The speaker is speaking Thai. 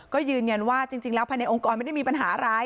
ก็ยืนยันว่าจริงแล้วภายในองค์กรไม่ได้มีปัญหาอะไร